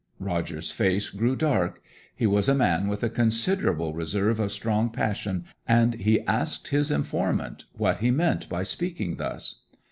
Roger's face grew dark. He was a man with a considerable reserve of strong passion, and he asked his informant what he meant by speaking thus.